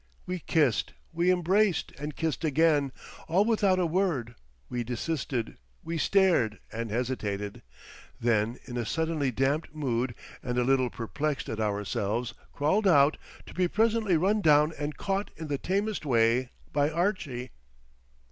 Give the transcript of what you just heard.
We kissed, we embraced and kissed again, all without a word; we desisted, we stared and hesitated—then in a suddenly damped mood and a little perplexed at ourselves, crawled out, to be presently run down and caught in the tamest way by Archie.